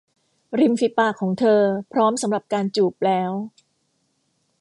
ริมฝีปากของเธอพร้อมสำหรับการจูบแล้ว !